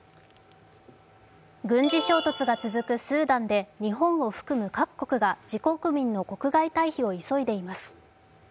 軍事衝突が続くスーダンで日本を含む各国が自国民の国外退避を急いでいます。